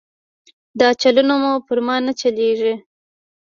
دا چلونه مو پر ما نه چلېږي.